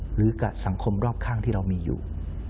หรือกับสังคมรอบข้างที่เรามีอยู่